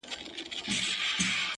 كه به زما په دعا كيږي’